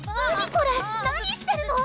これ何してるの？